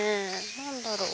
何だろう？